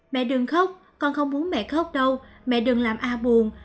mẹ đừng khóc con không muốn mẹ khóc đâu mẹ đừng làm a buồn